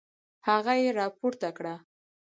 هغه يې راپورته کړه.